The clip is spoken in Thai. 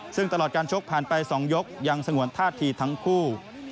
ซึ่งตลอดการชกผ่านไป๒ยกยังสงวนท่าทีทั้งคู่